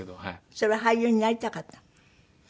それは俳優になりたかった？